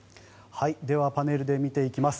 ではパネルで見ていきます。